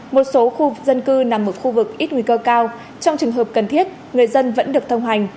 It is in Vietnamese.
một số khu dân cư nằm ở khu vực ít nguy cơ cao trong trường hợp cần thiết người dân vẫn được thông hành